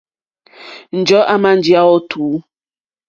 Njɔ̀ɔ́ àmà njíyá ó tùú.